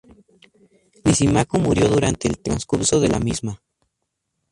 Lisímaco murió durante el transcurso de la misma.